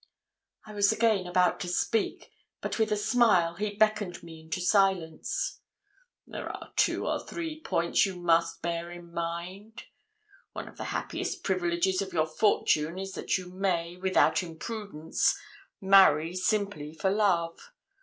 I was again about to speak, but with a smile he beckoned me into silence. 'There are two or three points you must bear in mind. One of the happiest privileges of your fortune is that you may, without imprudence, marry simply for love.